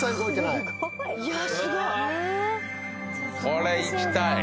これ行きたい！